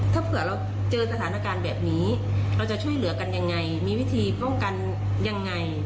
ถ้าเผื่อเราเจอสถานการณ์แบบนี้เราจะช่วยเหลือกันยังไงมีวิธีป้องกันยังไง